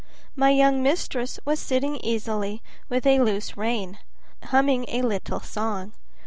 My young mistress was sitting easily with a loose rein, humming a little song.